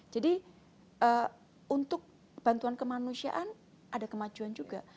jadi untuk bantuan kemanusiaan ada kemajuan juga